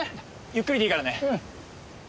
ゆっくりでいいからね。